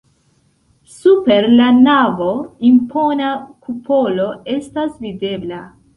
Super la navo impona kupolo estas videbla.